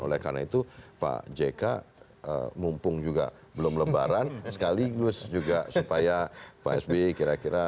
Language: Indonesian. oleh karena itu pak jk mumpung juga belum lebaran sekaligus juga supaya pak sby kira kira